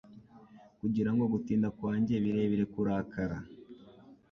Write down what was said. Kugira ngo gutinda kwanjye birebire kurakara